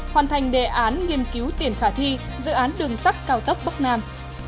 hoàn thành đề án nghiên cứu tiền khả thi dự án đường sắt cao tốc bắc nam